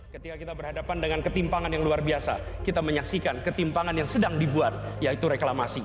ketika kita berhadapan dengan ketimpangan yang luar biasa kita menyaksikan ketimpangan yang sedang dibuat yaitu reklamasi